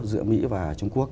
giữa mỹ và trung quốc